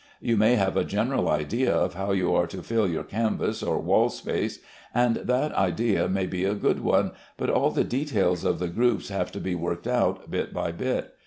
You may have a general idea of how you are to fill your canvas or wall space, and that idea may be a good one, but all the details of the groups have to be worked out bit by bit.